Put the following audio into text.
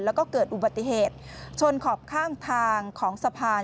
แล้วก็เกิดอุบัติเหตุชนขอบข้างทางของสะพาน